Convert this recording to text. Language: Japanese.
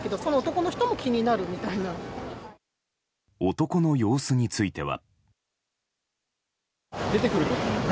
男の様子については。